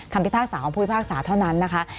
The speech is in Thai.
คำพิพากษาคำพูดพากษาเท่านั้นนะคะ